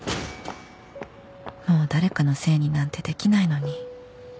もう誰かのせいになんてできないのに